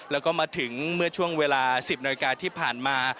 แล้วก็มาถึงเวลาช่วงเวลา๑๐นที่ผ่านมา